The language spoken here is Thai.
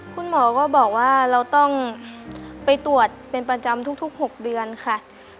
คุณหมอก็บอกว่าเราต้องไปตรวจเป็นประจำทุก๖เดือนค่ะ